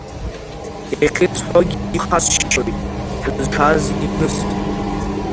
Иахьысҳәогьы ԥхасшьоит, ҳазшаз иныс!